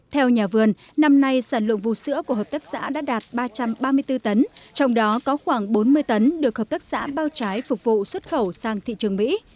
theo nhà vườn năm nay sản lượng vũ sữa của hợp tác xã đã đạt ba trăm ba mươi bốn tấn trong đó có khoảng bốn mươi tấn được hợp tác xã bao trái phục vụ xuất khẩu sang thị trường mỹ